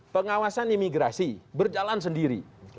pengawasan imigrasi berjalan sendiri